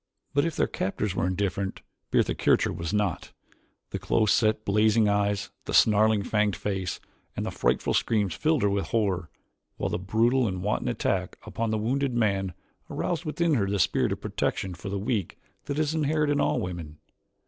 But if their captors were indifferent, Bertha Kircher was not. The close set blazing eyes, the snarling fanged face, and the frightful screams filled her with horror, while the brutal and wanton attack upon the wounded man aroused within her the spirit of protection for the weak that is inherent in all women.